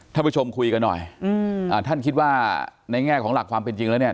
ท่านผู้ชมคุยกันหน่อยอืมอ่าท่านคิดว่าในแง่ของหลักความเป็นจริงแล้วเนี่ย